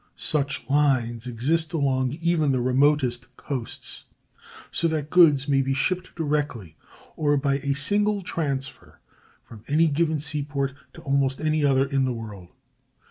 Such lines exist along even the remotest coasts, so that goods may be shipped directly, or by a single transfer, from any given seaport to almost any other in the world.